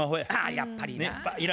やっぱりな。